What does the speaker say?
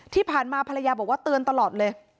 ที่ผ่านมาภรรยาบอกว่าเตือนตลอดเลย